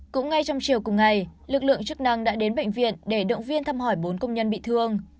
cũng ngay trong chiều cùng ngày lực lượng chức năng đã đến bệnh viện để động viên thăm hỏi bốn công nhân bị thương